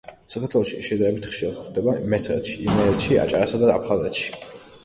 საქართველოში შედარებით ხშირად გვხვდება მესხეთში, იმერეთში, აჭარასა და აფხაზეთში.